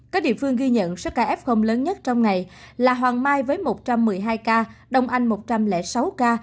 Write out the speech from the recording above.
các địa phương ghi nhận số ca f lớn nhất trong ngày là hoàng mai với một trăm một mươi hai ca đông anh một trăm linh sáu ca